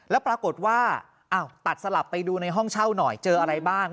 แล้วปรากฏว่าตัดสลับไปดูในห้องเช่าหน่อยเจออะไรบ้าง